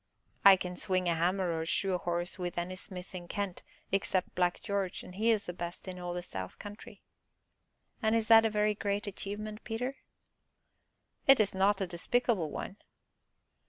"I can swing a hammer or shoe a horse with any smith in Kent except Black George, and he is the best in all the South Country." "And is that a very great achievement, Peter?" "It is not a despicable one."